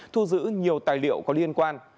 thu giữ nhiều tài liệu có liên quan